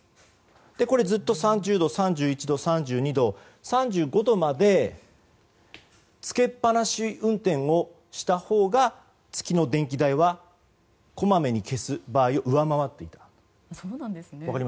ずっと３０度、３１度、３２度３５度までつけっぱなし運転をしたほうが月の電気代はこまめに消す場合を上回っている。